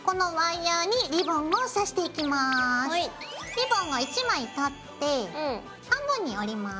リボンを１枚取って半分に折ります。